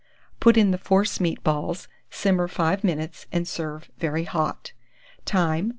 Put in the force meat balls, simmer 5 minutes, and serve very hot. Time.